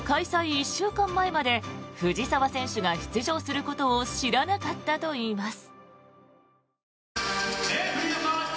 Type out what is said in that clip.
１週間前まで藤澤選手が出場することを知らなかったといいます。